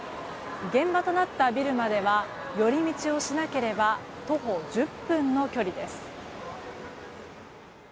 現場となったビルまでは寄り道をしなければ徒歩１０分の距離です。